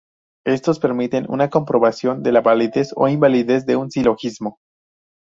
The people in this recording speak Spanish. Estos permiten una comprobación de la validez o invalidez de un silogismo.